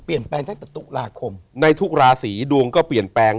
เปลี่ยนแปลงใช่กับตุลาคมในทุกราศีดวงก็เปลี่ยนแปลง